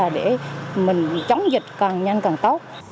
để chống dịch càng nhanh càng tốt